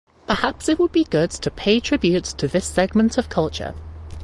Perhaps it would be good to pay tribute to this segment of culture.